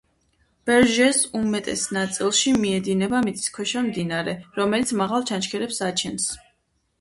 ბერჟეს უმეტეს ნაწილში მიედინება მიწისქვეშა მდინარე, რომელიც მაღალ ჩანჩქერებს აჩენს.